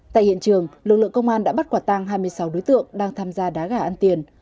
tại hiện trường lực lượng công an đã bắt quả tang hai mươi sáu đối tượng đang tham gia đá gà ăn tiền